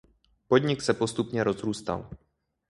Podnik se postupně rozrůstal.